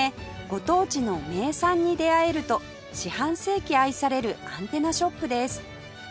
ご当地の名産に出会えると四半世紀愛されるアンテナショップです